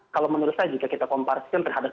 kalau menurut saya jika kita komparasikan terhadap